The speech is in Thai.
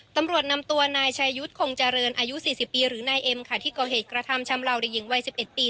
ตำรวจนำตัวนายชายุทธ์คงเจริญอายุสี่สิบปีหรือนายเอ็มค่ะที่เกาเหตุกระทำชำลาวเด็กหญิงวัยสิบเอ็ดปี